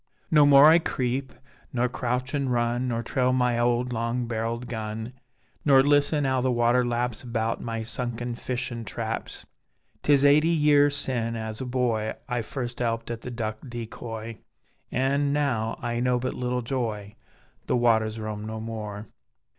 No more I creep, nor crouchin', run, Nor trail my owd long barrelled gun Nor listen 'ow the water laps About my sunken fishin' traps; 'Tis eighty year sin, as a boy, I first 'elped at the duck decoy, An' now I know but little joy: The waters roam no more.